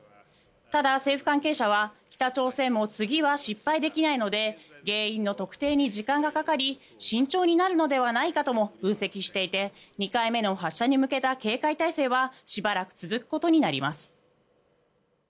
ただ、政府関係者は北朝鮮も次は失敗できないので原因の特定に時間がかかり慎重になるのではないかとも分析していて２回目の発射に向けた警戒態勢はしばらく続くことになります。